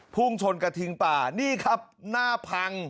พุ่งชนกระทิงป่านี่ครับหน้าพัง